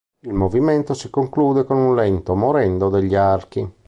Il movimento si conclude con un lento "morendo" degli archi.